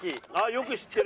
よく知ってる。